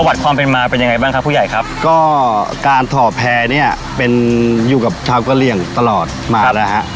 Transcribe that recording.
วัดความเป็นมาเป็นยังไงบ้างครับผู้ใหญ่ครับก็การถ่อแพร่เนี่ยเป็นอยู่กับชาวกะเหลี่ยงตลอดมาแล้วฮะ